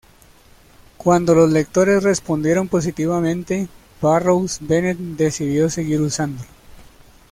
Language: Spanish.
Cuando los lectores respondieron positivamente, Barrows Bennett decidió seguir usándolo.